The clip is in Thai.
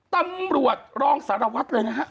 ตำรวจรองสารวัตรเลยนะฮะ